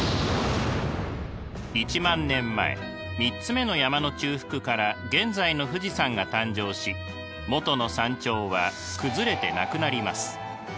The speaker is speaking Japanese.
１万年前３つ目の山の中腹から現在の富士山が誕生し元の山頂は崩れてなくなります。